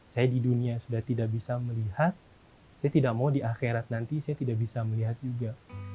saya di dunia sudah tidak bisa melihat saya tidak mau di akhirat nanti saya tidak bisa melihat juga